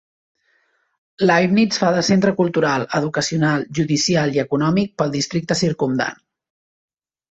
Leibnitz fa de centre cultural, educacional, judicial i econòmic pel districte circumdant.